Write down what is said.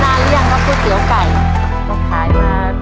เพื่อชิงทุนต่อชีวิตสูงสุด๑ล้านบาท